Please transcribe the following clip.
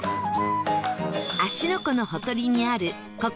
芦ノ湖のほとりにあるここ